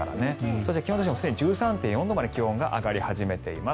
そして気温としても１３．４度まで気温が上がっています。